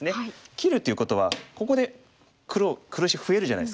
切るということはここで黒石増えるじゃないですか。